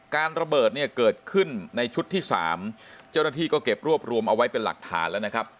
ระเบิดเนี่ยเกิดขึ้นในชุดที่๓เจ้าหน้าที่ก็เก็บรวบรวมเอาไว้เป็นหลักฐานแล้วนะครับ